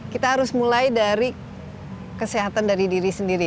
kita harus mulai dari kesehatan dari diri sendiri